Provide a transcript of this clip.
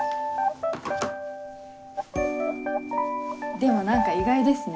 でも何か意外ですね。